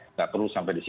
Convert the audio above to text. tidak perlu sampai di situ